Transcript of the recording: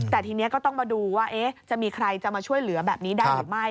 แต่ทีนี้ก็ต้องมาดูว่าจะมีใครจะมาช่วยเหลือแบบนี้ได้หรือไม่